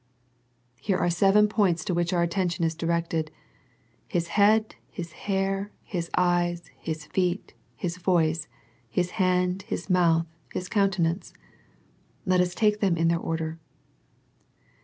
Here are seven points to which our attention is directed. His head. His hair. His eyes. His feet, His voice. His hand. His mouth. His countenance. Let us take them in their order.